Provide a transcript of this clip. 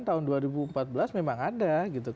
tahun dua ribu empat belas memang ada